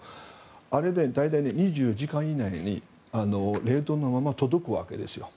あれ、大体２４時間以内に冷凍のまま届くわけですよ。